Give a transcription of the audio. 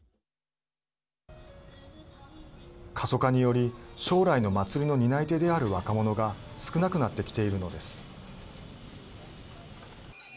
過疎化により将来の祭りの担い手である若者が少なくなってきているのです。